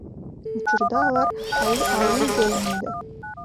Учурда алар кабыл алуу бөлүмүндө.